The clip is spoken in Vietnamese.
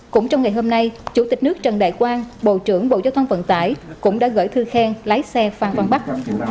cũng trong ngày hôm nay chủ tịch nước trần đại quang bộ trưởng bộ giao thông vận tải cũng đã gửi thư khen lái xe phan văn bắc